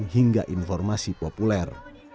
hingga informasi populer